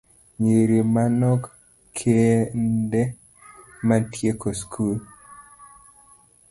Nyiri manok kende ema tieko skul